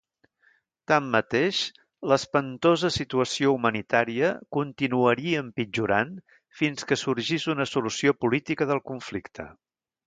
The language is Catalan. Tanmateix, l'espantosa situació humanitària continuaria empitjorant fins que sorgís una solució política del conflicte.